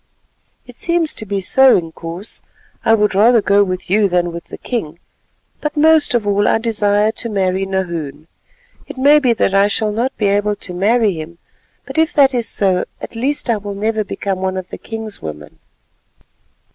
"It seems to be so, Inkoos, and I would rather go with you than with the king, but most of all I desire to marry Nahoon. It may be that I shall not be able to marry him, but if that is so, at least I will never become one of the king's women."